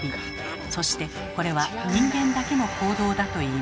そしてこれは人間だけの行動だといいます。